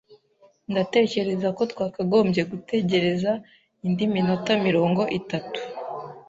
Ndatekereza ko twakagombye gutegereza indi minota mirongo itatu